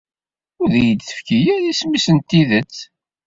Ur iyi-d-tefki ara isem-is n tidet.